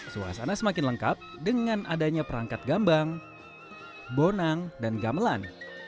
suasana semakin lengkap dengan adanya perangkat gambang bonang dan gamelan